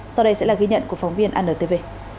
sau đây sẽ là ghi nhận của phóng viên antv